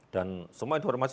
dan semua informasi